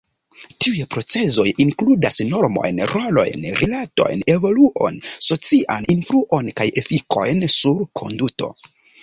Tiuj procezoj inkludas normojn, rolojn, rilatojn, evoluon, socian influon kaj efikojn sur konduto.